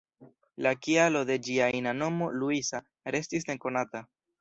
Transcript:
La kialo de ĝia ina nomo ""Luisa"" restis nekonata.